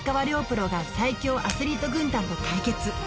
プロが最強アスリート軍団と対決